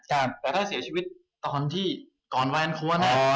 แต่ถ้าเกิดเสียชีวิตตอนที่กรรวงวงวีานค์คอส